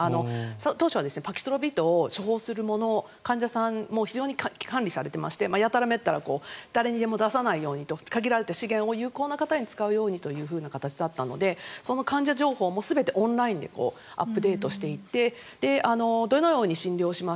当初、パキロビッドを処方するのに患者さんも非常に管理されていましてやたらめったら誰にでも出さないように限られた資源を有効に使うようにという形だったのでその患者情報も全てオンラインでアップデートしていてどのように診療します